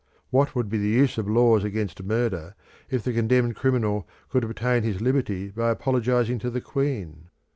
What would be the use of laws against murder if the condemned criminal could obtain his liberty by apologising to the Queen?